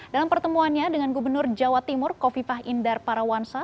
dalam pertemuannya dengan gubernur jawa timur kofifah indar parawansa